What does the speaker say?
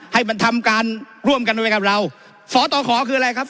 ให้มันทำการร่วมกันไว้กับเราสตขอคืออะไรครับ